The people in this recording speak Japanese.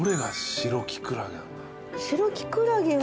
白キクラゲは。